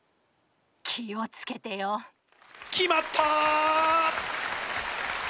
気を付けてよ。決まった！